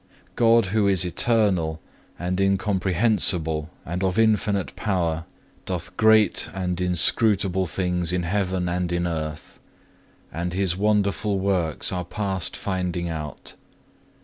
God who is eternal and incomprehensible, and of infinite power, doth great and inscrutable things in heaven and in earth, and His wonderful works are past finding out.